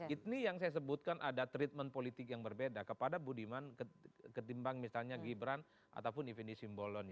ini yang saya sebutkan ada treatment politik yang berbeda kepada budiman ketimbang misalnya gibran ataupun ifni simbolon